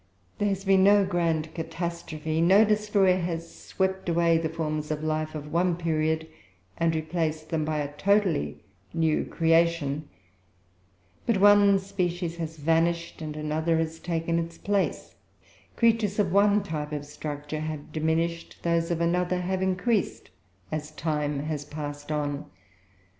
There has been no grand catastrophe no destroyer has swept away the forms of life of one period, and replaced them by a totally new creation: but one species has vanished and another has taken its place; creatures of one type of structure have diminished, those of another have increased, as time has passed on.